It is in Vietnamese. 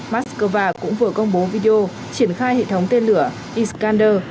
moscow cũng vừa công bố video triển khai hệ thống tên lửa escander